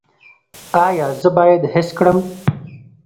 ایا زه باید حس کړم؟